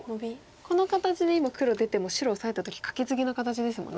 この形で今黒出ても白オサえた時カケツギの形ですもんね。